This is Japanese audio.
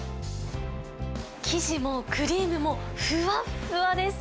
生地もクリームも、ふわふわです。